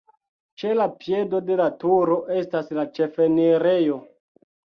Ĉe la piedo de la turo estas la ĉefenirejo.